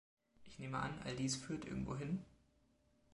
Ich nehme an, all dies führt irgendwo hin?